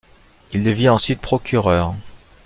Il devient ensuite procureur.